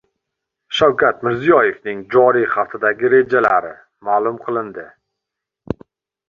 Shavkat Mirziyoevning joriy haftadagi rejalari ma’lum qilindi